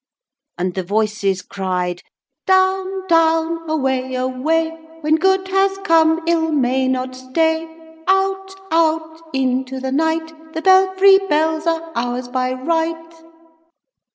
And the voices cried: Down, down away, away, When good has come ill may not stay, Out, out, into the night, The belfry bells are ours by right!